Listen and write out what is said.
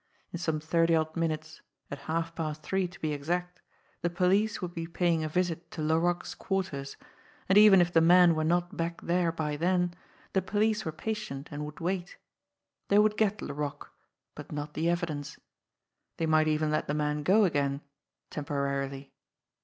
In some thirty odd minutes, at halfpast three to be exact, the police would be paying a visit to Laroque's quarters, and even if the man were not back there by then, the police were patient and would wait! They would get Laroque but not the evi dence. They might even let the man go again temporarily.